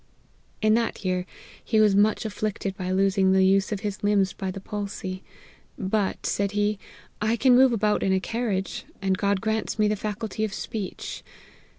In that year he was much afflicted by losing the use of his limbs by the palsy ;' but,' said he, ' I can move about in a carriage, and God grants me the faculty of speech.